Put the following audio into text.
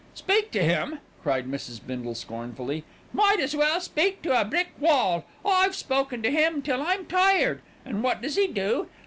"Speak to him!" cried Mrs. Bindle scornfully. "Might as well speak to a brick wall. I've spoken to him until I'm tired, and what does he do?